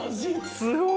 すごい。